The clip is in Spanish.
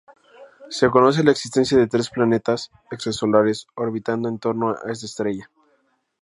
Se conoce la existencia de tres planetas extrasolares orbitando en torno a esta estrella.